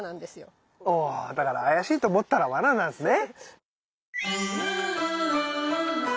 おだから怪しいと思ったらワナなんですね。